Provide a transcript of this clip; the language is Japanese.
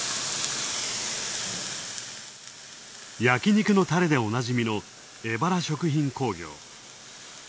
焼肉のたれなどでおなじみの、エバラ食品工業。